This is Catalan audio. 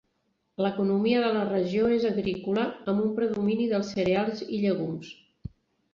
L'economia de la regió és agrícola amb predomini dels cereals i llegums.